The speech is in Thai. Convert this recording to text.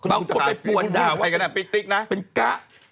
บางคนไปปวดด่าวว่าเป็นก๊ะ